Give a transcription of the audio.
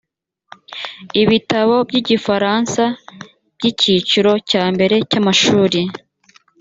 ibitabo by igifaransa by icyiciro cya mbere cy amashuri